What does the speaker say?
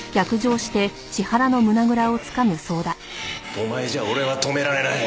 お前じゃ俺は止められない。